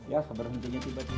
ya sabar mendingan tiba juga